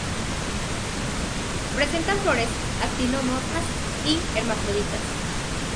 Presenta flores actinomorfas y hermafroditas.